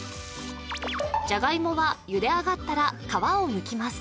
じゃがいもはゆで上がったら皮をむきます